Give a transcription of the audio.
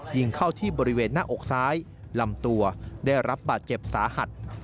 ยิงเข้าที่บริเวณหน้าอกซ้ายลำตัวได้รับบาดเจ็บสาหัส